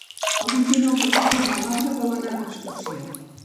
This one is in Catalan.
El vint-i-nou de febrer na Laura vol anar d'excursió.